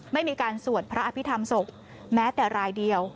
ไม่มีการสวดพระอภิษฐรรมศพแม้แต่รายเดียว